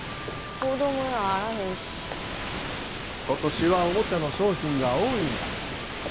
今年はおもちゃの賞品が多いんや。